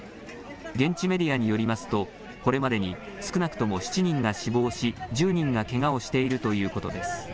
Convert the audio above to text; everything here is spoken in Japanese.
現地メディアによりますと、これまでに少なくとも７人が死亡し、１０人がけがをしているということです。